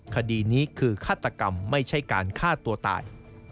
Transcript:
คดีนี้คือฆาตกรรมไม่ใช่การฆ่าตัวตาย